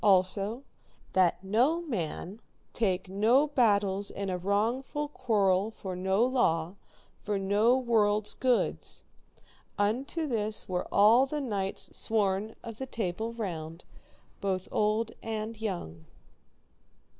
Also, that no man take no battles in a wrongful quarrel for no law, nor for no world's goods. Unto this were all the knights sworn of the Table Round, both old and young.